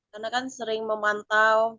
karena kan sering memantau